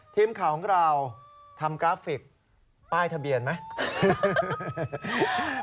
ทีมข่าวของเราทำกราฟิกป้ายทะเบียนไหม